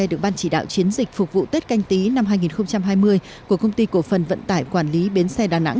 được ban chỉ đạo chiến dịch phục vụ tết canh tí năm hai nghìn hai mươi của công ty cổ phần vận tải quản lý bến xe đà nẵng